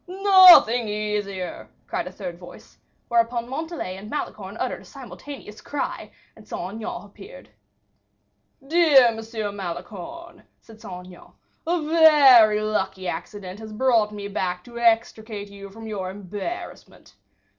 "Nothing easier," said a third voice; whereupon Montalais and Malicorne uttered a simultaneous cry, and Saint Aignan appeared. "Dear Monsieur Malicorne," said Saint Aignan, "a very lucky accident has brought me back to extricate you from your embarrassment.